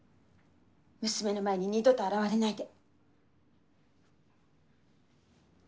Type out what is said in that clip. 娘の前に二度と現れないで。